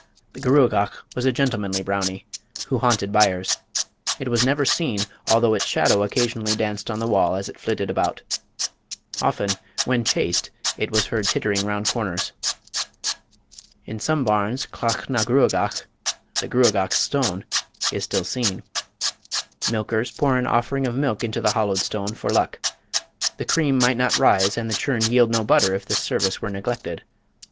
The Gruagach was a gentlemanly Brownie, who haunted byres. It was never seen, although its shadow occasionally danced on the wall as it flitted about. Often, when chased, it was heard tittering round corners. In some barns, Clach na gruagach "the Gruagach's stone" is still seen. Milkers pour an offering of milk into the hollowed stone "for luck." The cream might not rise and the churn yield no butter if this service were neglected.